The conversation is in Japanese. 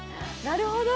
なるほど！